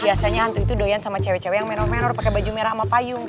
biasanya hantu itu doyan sama cewek cewek yang meno menor pakai baju merah sama payung